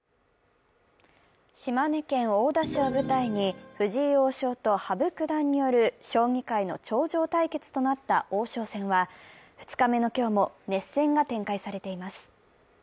島根県大田市を舞台に藤井王将と羽生九段による将棋界の頂上対決となった王将戦は２日目の今日も熱戦が展開されています。